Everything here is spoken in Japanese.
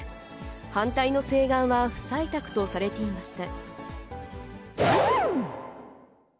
反対の請願は不採択とされていました。